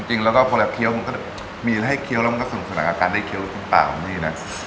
จริงแล้วก็พอแบบเคี้ยวมันก็มีอะไรให้เคี้ยวแล้วมันก็ส่งสนักการณ์ได้เคี้ยวลูกชิ้นปลาของนี่นะ